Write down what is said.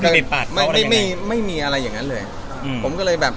เราไม่มีดินตัด